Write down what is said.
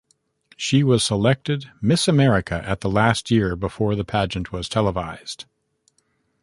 She was selected Miss America at the last year before the pageant was televised.